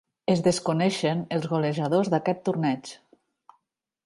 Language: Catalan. Es desconeixen els golejadors d'aquest torneig.